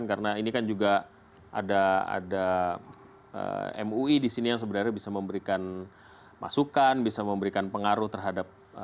barangnya akan disita dan warungnya ditutup